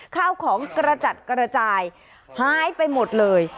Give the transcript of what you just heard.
ข้าวของกระจัดกระจายหายไปหมดเลย